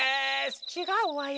ちがうわよ。